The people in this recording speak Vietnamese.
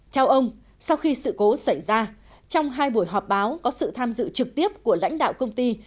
theo ông sau khi sự cố xảy ra trong hai buổi họp báo có sự tham dự trực tiếp của lãnh đạo công ty